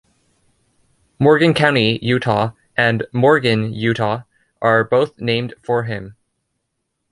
Morgan County, Utah, and Morgan, Utah, are both named for him.